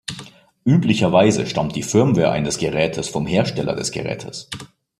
Üblicherweise stammt die Firmware eines Gerätes vom Hersteller des Gerätes.